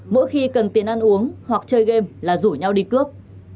mỗi khi cần tiền ăn uống hoặc chơi game là rủ nhau đi cướp